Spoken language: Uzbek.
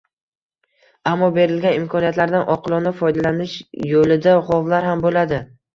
Ammo berilgan imkoniyatlardan oqilona foydalanish yo‘lida g‘ovlar ham bo‘ladi